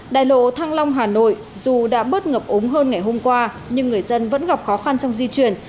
đại lộ thăng long hà nội dù đã bớt ngập úng hơn ngày hôm qua nhưng người dân vẫn gặp khó khăn trong di chuyển